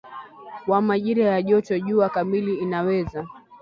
wa majira ya joto jua kamili inaweza